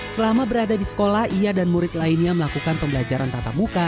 selama berada di sekolah ia dan murid lainnya melakukan pembelajaran tatap muka